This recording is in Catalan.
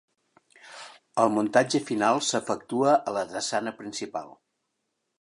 El muntatge final s'efectua a la drassana principal.